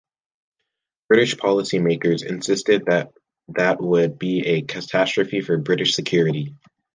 British policy-makers insisted that that would be a catastrophe for British security.